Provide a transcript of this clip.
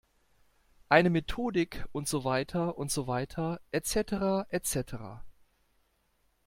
Eine Methodik und so weiter und so weiter, et cetera, et cetera.